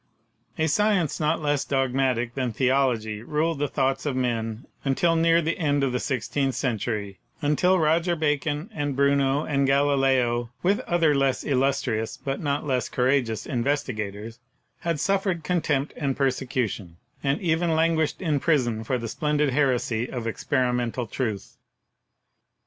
A science not less dogmatic than theology ruled the thoughts of men until near the end of the sixteenth cen tury, until Roger Bacon and Bruno and Galileo, with other less illustrious but not less courageous investiga tors, had suffered contempt and persecution, and even languished in prison for the splendid heresy of Experi mental Truth.